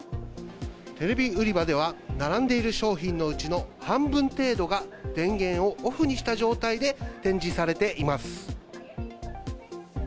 テレビ売り場では並んでいる商品のうちの半分程度が電源をオフにした状態で、展示されています。